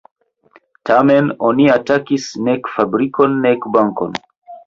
Tamen oni atakis nek fabrikon nek bankon.